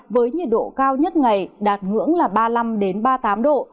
với nhiệt độ cao nhất ngày đạt ngưỡng là ba mươi năm ba mươi tám độ